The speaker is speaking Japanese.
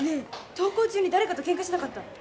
登校中に誰かとケンカしなかった？